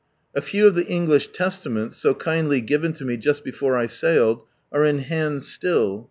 A few of the English Testaments, so kindly given to me just before I sailed, : in hand still.